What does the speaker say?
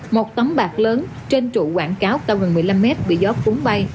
một tấm bạc lớn trên trụ quảng cáo cao gần một mươi năm mét bị gió cuốn bay